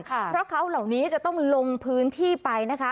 เพราะเขาเหล่านี้จะต้องลงพื้นที่ไปนะคะ